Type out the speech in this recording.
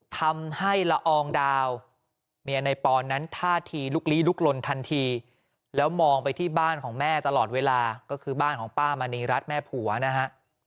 ทำให้ละอองดาวเมียในปอนนั้นท่าทีลุกลี้ลุกลนทันทีแล้วมองไปที่บ้านของแม่ตลอดเวลาก็คือบ้านของป้ามณีรัฐแม่ผัวนะฮะ